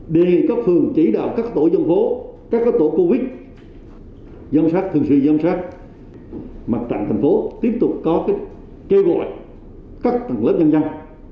đề nghị các phương chỉ đạo các tổ dân phố các tổ covid dân sát thường sư dân sát mặt trạng thành phố tiếp tục có kêu gọi các tầng lớp nhân dân